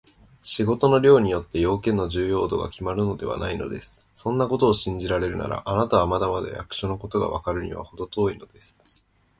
仕事の量によって、用件の重要度がきまるのではないのです。そんなことを信じられるなら、あなたはまだまだ役所のことがわかるのにはほど遠いのです。